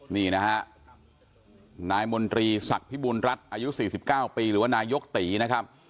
นี่นะฮะนายมนตรีศักดิ์พิบูรณรัฐอายุ๔๙ปีหรือว่านายกตีนะครับ